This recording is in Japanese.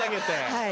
はい。